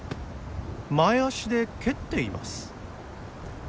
前足で蹴っています。